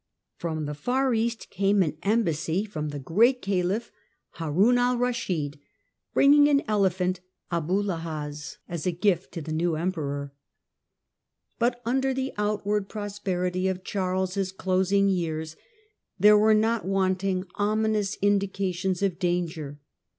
From the far East came an embassy from the 180 THE DAWN OF MEDIAEVAL EUROPE great Caliph Haroun al Kaschid, bringing an elephant " Abulahaz " as a gift to the new Emperor. But under the outward prosperity of Charles' closing years there were not wanting ominous indications of danger.